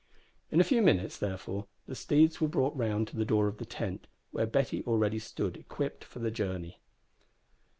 In a few minutes, therefore, the steeds were brought round to the door of the tent, where Betty already stood equipped for the journey.